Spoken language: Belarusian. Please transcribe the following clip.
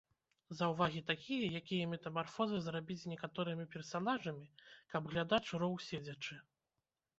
Заўвагі такія, якія метамарфозы зрабіць з некаторымі персанажамі, каб глядач роў седзячы.